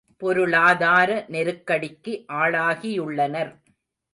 பொருளாதார நெருக்கடிக்கு ஆளாகியுள்ளனர்.